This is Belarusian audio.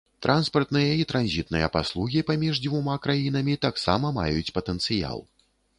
Транспартныя і транзітныя паслугі паміж дзвюма краінамі таксама маюць патэнцыял.